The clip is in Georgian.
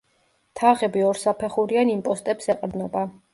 თაღები ორსაფეხურიან იმპოსტებს ეყრდნობა.